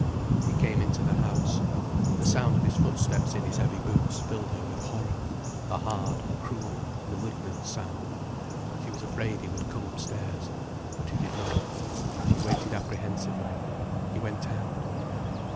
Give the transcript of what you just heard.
He came into the house. The sound of his footsteps in his heavy boots filled her with horror: a hard, cruel, malignant sound. She was afraid he would come upstairs. But he did not. She waited apprehensively. He went out.